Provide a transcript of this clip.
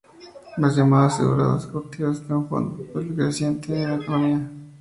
Las llamadas aseguradoras cautivas están jugando un papel creciente en la economía de Vermont.